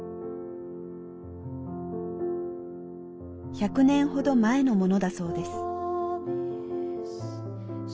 １００年ほど前のものだそうです。